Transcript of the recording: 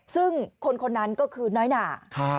ซึ่งคนคนนั้นก็คือน้อยหนา